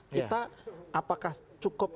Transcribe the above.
kita apakah cukup